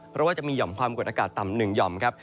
เพราะว่าจะมีห่อมความกดอากาศต่ำ๑หย่อมครับ